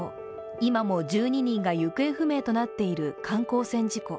今も１２人が行方不明となっている観光船事故。